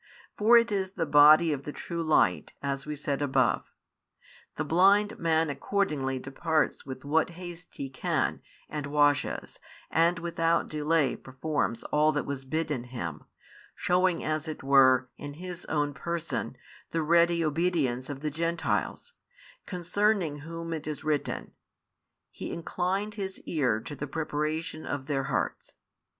For it is the Body of the True Light, as we said above. The blind man accordingly departs with what haste he can, and washes, and without delay performs all that was bidden him, shewing as it were in his own person the ready obedience of the Gentiles, concerning whom it is written: He inclined His ear to the preparation of their hearts.